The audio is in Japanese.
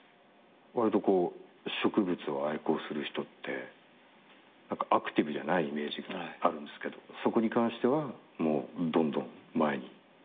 わりとこう植物を愛好する人ってアクティブじゃないイメージがあるんですけどそこに関してはもうどんどん前に？